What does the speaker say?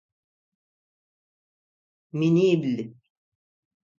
Минибл.